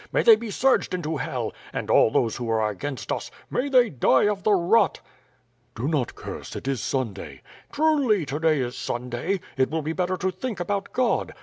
May they be surged into hell! And all those who are against us. May they die of the rot." "Do not curse, it is Sunday." "Truly, to day is Sunday. It will be better to think about God.